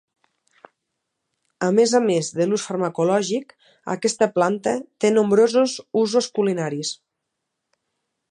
A més a més de l'ús farmacològic aquesta planta té nombrosos usos culinaris.